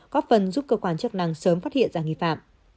góp phần giúp cơ quan chức năng sớm phát hiện ra nghi phạm